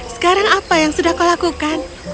sekarang apa yang sudah kau lakukan